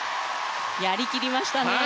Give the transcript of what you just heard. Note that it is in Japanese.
やり切りましたね。